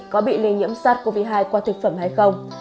có bị lây nhiễm sars cov hai qua thực phẩm hay không